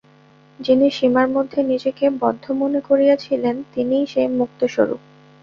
যিনি সীমার মধ্যে নিজেকে বদ্ধ মনে করিয়াছিলেন, তিনিই সেই মুক্ত-স্বরূপ।